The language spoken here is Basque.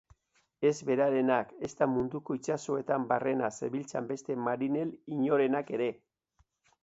Ez berarenak, ezta munduko itsasoetan barrena zebiltzan beste marinel inorenak ere.